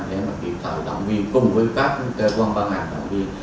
để kiểm tra đồng viên cùng với các cơ quan băng ảnh đồng viên